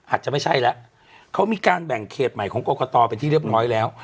อาจจะไม่ใช่แล้วเขามีการแบ่งเขตใหม่ของกรกตเป็นที่เรียบร้อยแล้ว